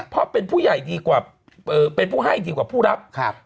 เพราะเป็นผู้ใหญ่ดีกว่าเป็นผู้ให้ดีกว่าผู้รับ